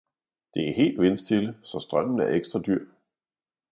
Det er helt vindstille, så strømmen er ekstra dyr.